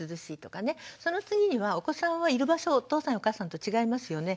その次にはお子さんはいる場所がお父さんやお母さんと違いますよね。